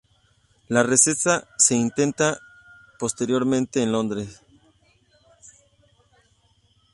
La receta se intenta posteriormente en Londres.